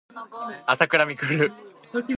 あさくらみくる